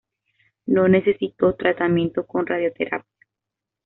No necesitó tratamiento con radioterapia.